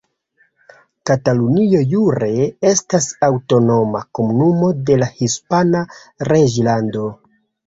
Katalunio jure estas aŭtonoma komunumo de la Hispana reĝlando.